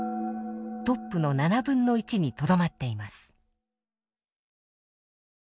トップの７分の１にとどまっています。